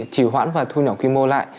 chỉ hoãn và thu nhỏ quy mô lại